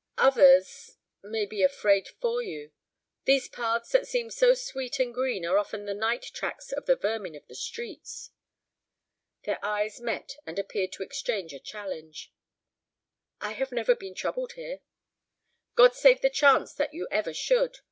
"Others—may be afraid for you. These paths that seem so sweet and green are often the night tracks of the vermin of the streets." Their eyes met and appeared to exchange a challenge. "I have never been troubled here." "God save the chance that you ever should.